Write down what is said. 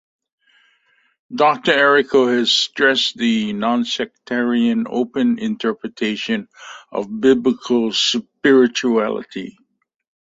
Doctor Errico has stressed the nonsectarian, open interpretation of Biblical spirituality.